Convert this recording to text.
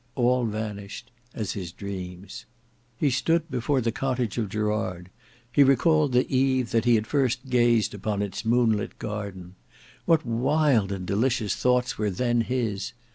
All vanished—as his dreams. He stood before the cottage of Gerard; he recalled the eve that he had first gazed upon its moonlit garden. What wild and delicious thoughts were then his!